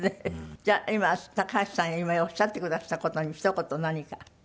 じゃあ高橋さんへ今おっしゃってくだすった事にひと言何か。